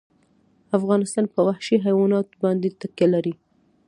افغانستان په وحشي حیوانات باندې تکیه لري.